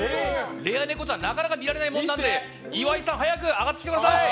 レアネコちゃんはなかなか見られないので岩井さん早く上がってきてください！